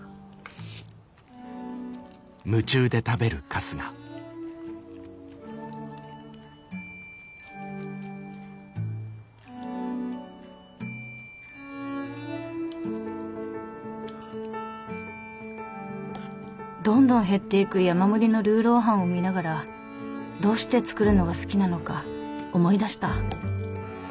無言だどんどん減っていく山盛りのルーロー飯を見ながらどうして作るのが好きなのか思い出した。